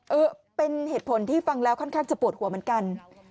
เออเป็นเหตุผลที่ฟังแล้วค่อนข้างจะปวดหัวเหมือนกัน